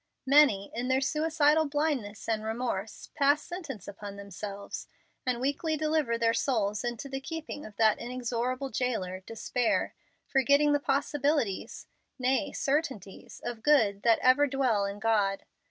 Many, in their suicidal blindness and remorse, pass sentence upon themselves, and weakly deliver their souls into the keeping of that inexorable jailer, Despair, forgetting the possibilities nay, certainties of good that ever dwell in God.